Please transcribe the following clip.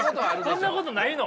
そんなことないの？